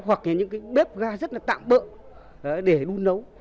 hoặc là những cái bếp ga rất là tạm bỡ để đun nấu